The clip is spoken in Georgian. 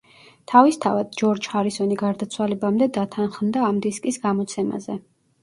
თავისთავად, ჯორჯ ჰარისონი გარდაცვალებამდე დათანხმდა ამ დისკის გამოცემაზე.